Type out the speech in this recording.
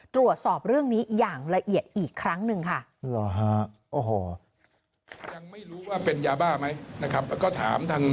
ตรวจสอบเรื่องนี้อย่างละเอียดอีกครั้งหนึ่งค่ะ